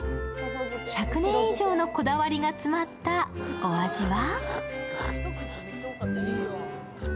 １００年以上のこだわりが詰まったお味は？